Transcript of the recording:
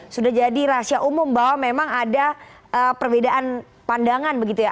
sudah jadi rahasia umum bahwa memang ada perbedaan pandangan begitu ya